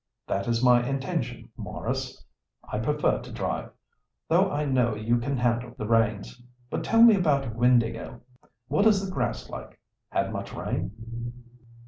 "That is my intention, Maurice. I prefer to drive, though I know you can handle the reins. But tell me about Windāhgil. What is the grass like? Had much rain?"